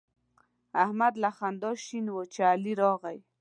احمد له خندا شین وو چې علي راغی.